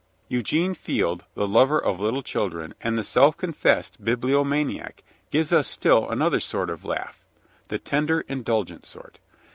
Eugene Field, the lover of little children, and the self confessed bibliomaniac, gives us still another sort of laugh the tender, indulgent sort.